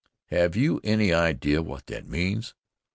Have you any idea what that means?